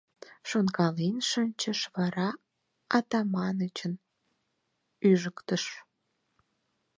Шонкален шинчыш, вара Атаманычын ӱжыктыш.